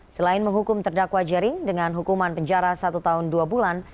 selain menghukum terdakwa jering dengan hukuman penjara satu tahun dua bulan